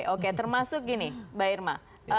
oke termasuk gini mbak irma